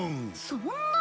そんな！